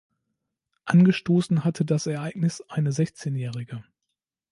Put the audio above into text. Angestoßen hatte das Ereignis eine Sechzehnjährige.